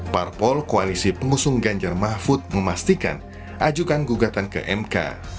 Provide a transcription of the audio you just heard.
parpol koalisi pengusung ganjar mahfud memastikan ajukan gugatan ke mk